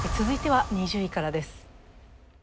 続いては２０位からです